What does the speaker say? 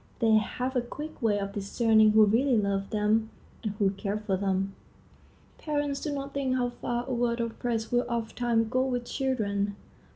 They have a quick way of discerning who really love them and who care for them. Parents do not think how far a word of praise will ofttimes go with children.